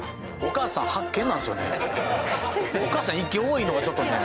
お母さん１軒多いのがちょっとね。